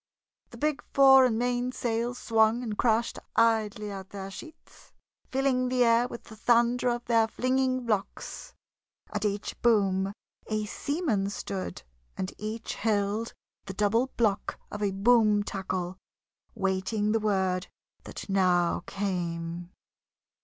The big fore and main sails swung and crashed idly at their sheets, filling the air with the thunder of their flinging blocks. At each boom a seaman stood, and each held the double block of a boom tackle, waiting the word that now came.